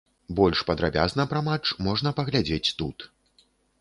Больш падрабязна пра матч можна паглядзець тут.